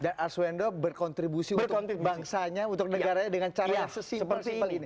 dan ars wendo berkontribusi untuk bangsanya untuk negaranya dengan caranya sesimpel sesimpel ini